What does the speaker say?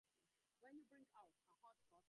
নিশ্চিত জানতুম আবশ্যকের বেশি জামা ছিল তোমার বাক্সে।